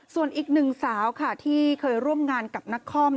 ส่วนอีกหนึ่งสาวค่ะที่เคยร่วมงานกับนักคอม